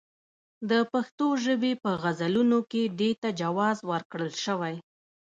د پښتو ژبې په غزلونو کې دې ته جواز ورکړل شوی.